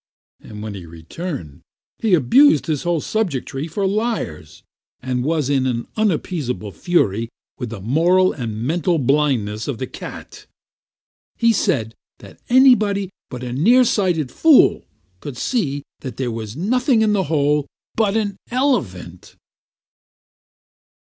When he returned, he abused his whole subjectry for liars, and was in an unappeasable fury with the moral and mental blindness of the cat. He said that anybody but a near sighted fool could see that there was nothing in the hole but an elephant.